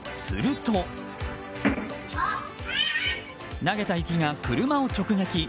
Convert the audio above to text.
すると投げた雪が車を直撃。